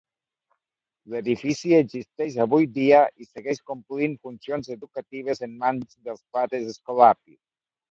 L'edifici existeix avui dia i segueix complint funcions educatives en mans dels pares escolapis.